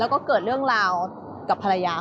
แล้วก็เกิดเรื่องราวกับภรรยา